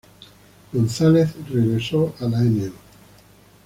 González regresó a la No.